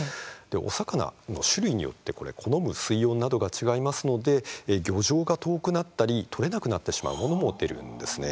お魚の種類によって好む水温などが違いますので漁場が遠くなったり取れなくなってしまうものも出るんです。